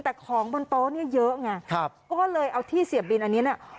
แต่ของบนโต๊ะเนี่ยเยอะไงครับก็เลยเอาที่เสียบบินอันนี้เนี่ย